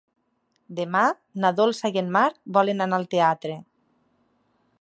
Demà na Dolça i en Marc volen anar al teatre.